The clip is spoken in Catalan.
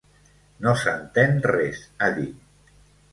No s’entén res, ha dit.